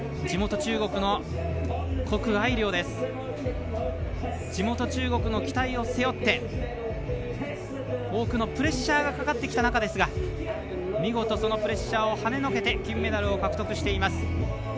地元・中国の期待を背負って多くのプレッシャーがかかってきた中ですが見事、そのプレッシャーを跳ねのけて金メダルを獲得しています。